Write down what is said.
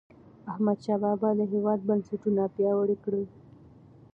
احمدشاه بابا د هیواد بنسټونه پیاوړي کړل.